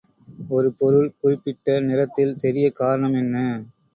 ஒரு பொருள் குறிப்பிட்ட நிறத்தில் தெரியக் காரணம் என்ன?